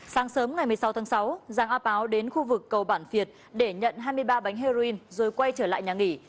sáng sớm ngày một mươi sáu tháng sáu giàng a páo đến khu vực cầu bản việt để nhận hai mươi ba bánh heroin rồi quay trở lại nhà nghỉ